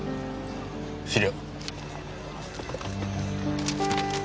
資料。